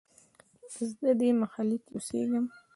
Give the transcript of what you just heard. زه دې محلې کې اوسیږم